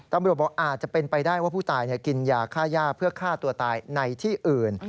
ตำรวจบอกอาจจะเป็นไปได้ว่าผู้ตายกินยาฆ่าย่าเพื่อฆ่าตัวตายในที่อื่น